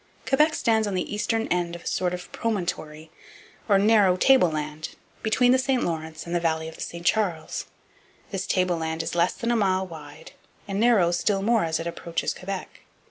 Quebec stands on the eastern end of a sort of promontory, or narrow tableland, between the St Lawrence and the valley of the St Charles. This tableland is less than a mile wide and narrows still more as it approaches Quebec.